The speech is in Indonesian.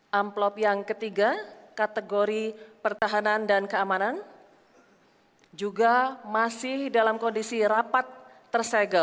hai amplop yang ketiga kategori pertahanan dan keamanan juga masih dalam kondisi rapat tersegel